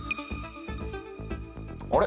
あれ？